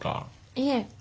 いえ。